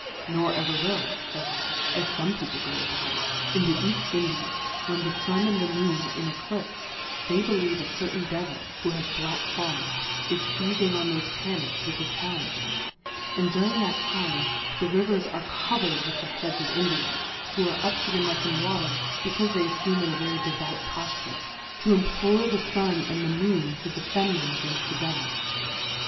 N' or ever will, / Jyj" /, as fome People go about it. In the Eajt Indies^ when the Sun and the Moon are in Eclipfe, they believe a certain Devil, who has black Claws, is feizing on thofe Planets with his Talons; and during that Time> the Rivers are covered with the Heads of Indians^ who are up to the Neck ia Water, becaufe they efteem it a very devout Pofture, to implore the Sun and the Moon to defend them againft the Devil.